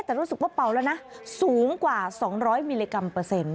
แต่รู้สึกว่าเป่าแล้วนะสูงกว่า๒๐๐มิลลิกรัมเปอร์เซ็นต์